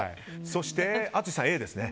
そして、淳さんＡですね。